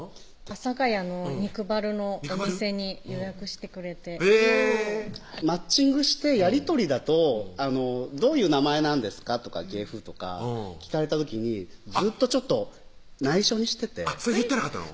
阿佐谷の肉バルのお店に予約してくれてへぇマッチングしてやり取りだと「どういう名前なんですか？」とか芸風とか聞かれた時にずっとないしょにしてて言ってなかったの？